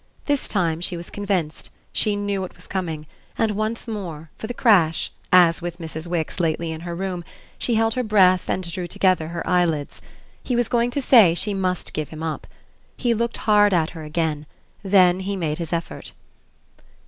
This time, she was convinced, she knew what was coming, and once more, for the crash, as with Mrs. Wix lately in her room, she held her breath and drew together her eyelids. He was going to say she must give him up. He looked hard at her again; then he made his effort.